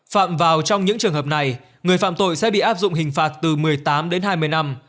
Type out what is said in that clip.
phạm vào trong những trường hợp này người phạm tội sẽ bị áp dụng hình phạt từ một mươi tám đến hai mươi năm